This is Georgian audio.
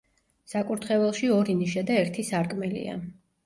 საკურთხეველში ორი ნიშა და ერთი სარკმელია.